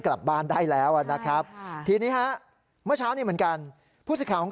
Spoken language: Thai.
เพราะถ้าเป็นผมเองอยู่กับลูกอยู่ด้วยกันสองคน